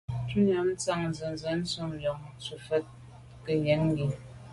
Shutnyàm tshan nzenze ntùm njon dù’ fa fèn ke yen i.